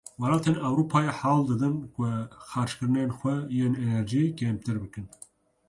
Welatên Ewropayê hewl didin ku xerckirinên xwe yên enerjiyê kêmtir bikin.